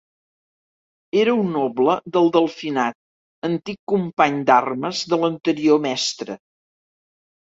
Era un noble del Delfinat, antic company d'armes de l'anterior mestre.